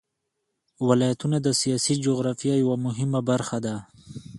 ولایتونه د سیاسي جغرافیه یوه مهمه برخه ده.